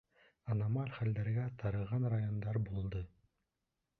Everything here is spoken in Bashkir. Аномаль хәлдәргә тарыған райондар булды.